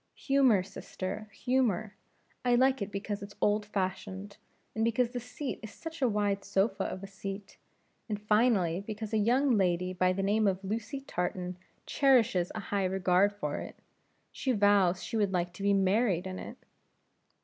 "Humor, sister, humor; I like it because it's old fashioned, and because the seat is such a wide sofa of a seat, and finally because a young lady by the name of Lucy Tartan cherishes a high regard for it. She vows she would like to be married in it."